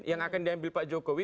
yang akan diambil pak jokowi